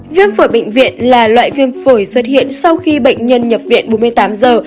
viêm phổi bệnh viện là loại viêm phổi xuất hiện sau khi bệnh nhân nhập viện bốn mươi tám giờ